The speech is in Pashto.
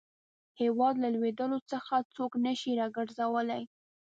هیواد له لوېدلو څخه څوک نه شي را ګرځولای.